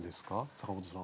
阪本さん。